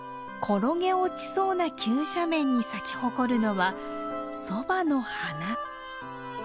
転げ落ちそうな急斜面に咲き誇るのはそばの花。